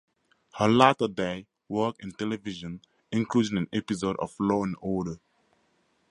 Her latter-day work in television included an episode of "Law and Order".